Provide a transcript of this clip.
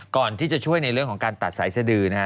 ก่อนที่จะช่วยในเรื่องของการตัดสายสดือนะฮะ